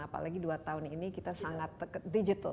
apalagi dua tahun ini kita sangat digital